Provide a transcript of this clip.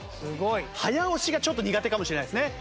早押しがちょっと苦手かもしれないですね。